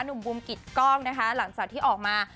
ุ่มบูมกิดกล้องนะคะหลังจากที่ออกมา